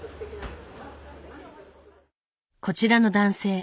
こちらの男性